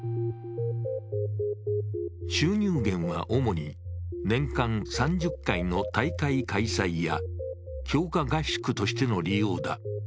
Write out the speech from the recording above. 収入源は主に年間３０回の大会開催や強化合宿としての利用だ。